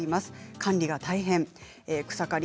管理が大変。